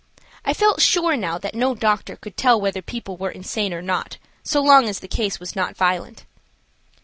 I felt sure now that no doctor could tell whether people were insane or not, so long as the case was not violent.